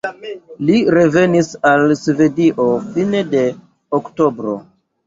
Li revenis al Svedio fine de oktobro.